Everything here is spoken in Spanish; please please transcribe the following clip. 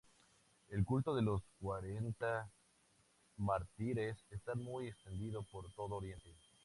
El culto de los Cuarenta Mártires está muy extendido por todo Oriente.